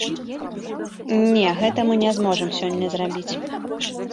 Не, гэта мы не зможам сёння зрабіць.